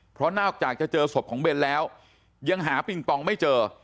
เพราะนอกจากจะเจอศพของเบนแล้วยังหาปิงปองไม่เจอ